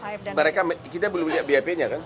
mereka kita belum lihat bap nya kan